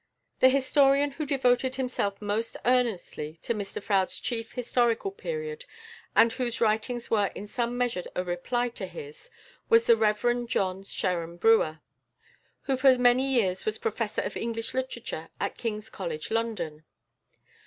The historian who devoted himself most earnestly to Mr Froude's chief historical period, and whose writings were in some measure a reply to his, was the =Rev. John Sherren Brewer (1810 1879)=, who for many years was Professor of English Literature at King's College, London.